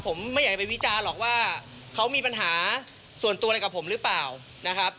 ผมไม่อยากไปวิจารณ์หรอกว่าเขามีปัญหาส่วนตัวอะไรกับผมหรือเปล่านะครับ